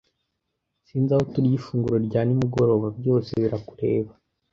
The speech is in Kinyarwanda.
Sinzi aho turya ifunguro rya nimugoroba. Byose birakureba.